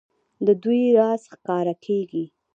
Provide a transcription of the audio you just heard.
د دوی راز ښکاره کېږي.